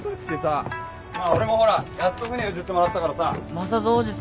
まあ俺もほらやっと船譲ってもらったからさ。